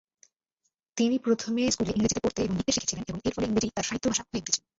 তিনি প্রথমে স্কুলে ইংরেজিতে পড়তে এবং লিখতে শিখেছিলেন এবং এর ফলে ইংরেজি তার "সাহিত্য ভাষা" হয়ে উঠেছিল।